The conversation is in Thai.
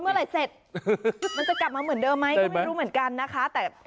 เมื่อไหร่เสร็จมันจะกลับมาเหมือนเดิมไหมก็ไม่รู้เหมือนกันนะคะแต่